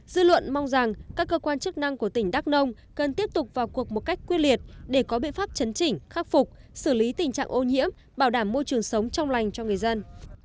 dư luận mong rằng các cơ quan chức năng của tỉnh đắk nông cần tiếp tục vào cuộc một cách quyết liệt để có biện pháp chấn chỉnh khắc phục xử lý tình trạng ô nhiễm bảo đảm môi trường sống trong lành cho người dân